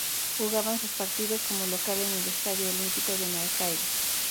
Jugaban sus partidos como local en el Estadio Olímpico de Maracaibo.